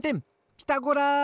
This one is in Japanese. ピタゴラ！